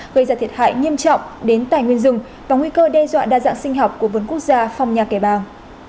gây ra thiệt hại nghiêm trọng đến tài nguyên rừng và nguy cơ đe dọa đa dạng sinh học của vườn quốc gia phong nha kẻ bàng